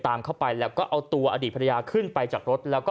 ตามเข้าไปแล้วก็เอาตัวอดีตภรรยาขึ้นไปจากรถแล้วก็